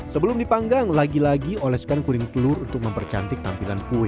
sebelum dipanggang lagi lagi oleskan kuning telur untuk mempercantik tampilan kue